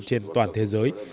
trên toàn thế giới